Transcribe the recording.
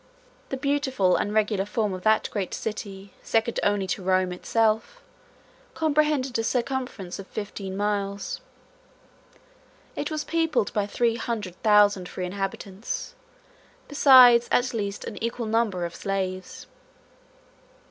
The beautiful and regular form of that great city, second only to Rome itself, comprehended a circumference of fifteen miles; 170 it was peopled by three hundred thousand free inhabitants, besides at least an equal number of slaves.